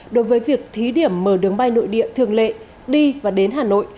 đối với việc thí điểm mở đường bay nội địa thường lệ đi và đến hà nội